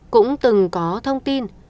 cũng từng có thông tin